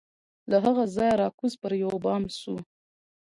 له هغه ځایه را کوز پر یوه بام سو